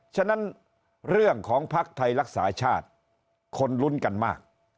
ฉะนั้นเรื่องของภักดิ์ไทยรักษาชาติคนลุ้นกันมาก